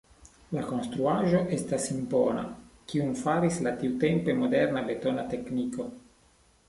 La konstruaĵo estas impona, kiun faris la tiutempe moderna betona tekniko.